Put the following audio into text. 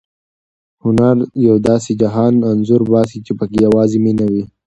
هنر د یو داسې جهان انځور باسي چې پکې یوازې مینه وي.